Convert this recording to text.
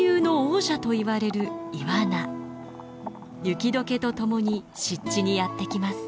雪解けとともに湿地にやって来ます。